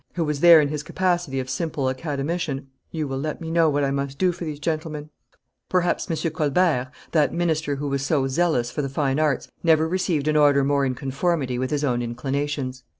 Colbert, who was there in his capacity of simple Academician, 'You will let me know what I must do for these gentlemen.' Perhaps M. Colbert, that minister who was so zealous for the fine arts, never received an order more in conformity with his own inclinations."